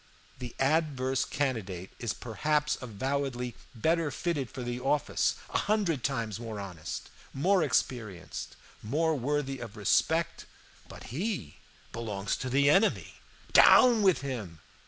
The adverse candidate is perhaps avowedly better fitted for the office, a hundred times more honest, more experienced, more worthy of respect. But he belongs to the enemy. Down with him!